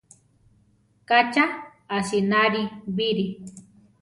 Ka cha asináli bíri!